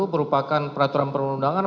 berupakan peraturan perundangan